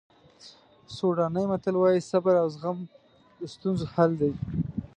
سوډاني متل وایي صبر او زغم د ستونزو حل دی.